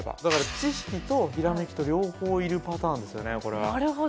だから知識とひらめきと両方いるパターンですよねこれ。